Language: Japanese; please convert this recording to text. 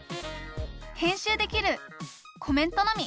「編集できる」「コメントのみ」